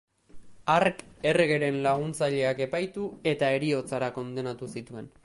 Hark erregeren laguntzaileak epaitu eta heriotzara kondenatu zituen.